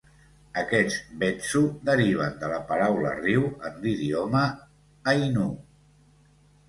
Aquests "betsu" deriven de la paraula "riu" en l'idioma ainu.